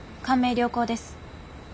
良好です。